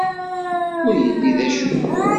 Ur yelli d acemma.